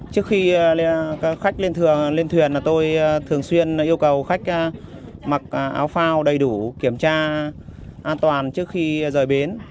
trước khi khách lên thường lên thuyền tôi thường xuyên yêu cầu khách mặc áo phao đầy đủ kiểm tra an toàn trước khi rời bến